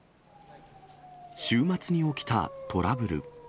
週末に起きたトラブル。